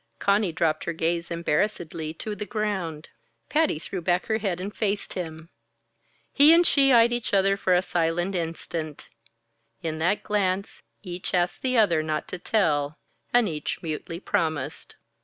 Conny dropped her gaze embarrassedly to the ground; Patty threw back her head and faced him. He and she eyed each other for a silent instant. In that glance, each asked the other not to tell and each mutely promised.